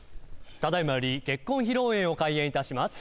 ただいまより結婚披露宴を開演いたします